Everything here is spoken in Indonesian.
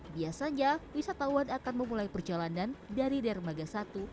biasanya wisatawan akan memulai perjalanan dari dermaga satu